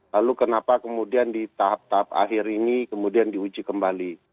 lalu kenapa kemudian di tahap tahap akhir ini kemudian diuji kembali